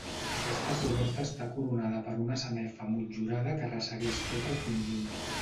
Aquesta coberta està coronada per una sanefa motllurada que ressegueix tot el conjunt.